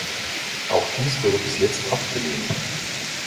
Auch dies wurde bis jetzt abgelehnt.